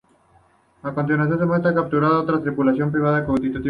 A continuación, se muestra que ha capturado a otra tripulación pirata en cautividad.